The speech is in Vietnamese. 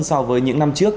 so với những năm trước